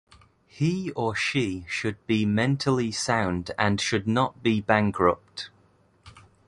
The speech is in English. He or she should be mentally sound and should not be bankrupt.